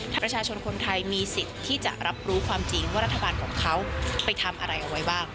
ถ้าประชาชนคนไทยมีสิทธิ์ที่จะรับรู้ความจริงว่ารัฐบาลของเขาไปทำอะไรเอาไว้บ้าง